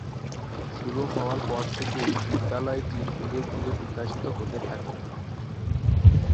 শুরু হওয়ার পর থেকেই বিদ্যালয়টি ধীরে ধীরে বিকশিত হতে থাকে।